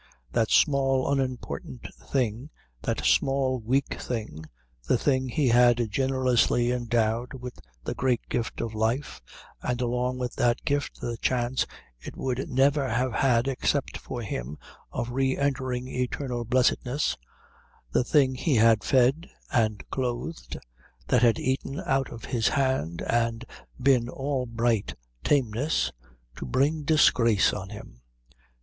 That small unimportant thing, that small weak thing, the thing he had generously endowed with the great gift of life and along with that gift the chance it would never have had except for him of re entering eternal blessedness, the thing he had fed and clothed, that had eaten out of his hand and been all bright tameness to bring disgrace on him!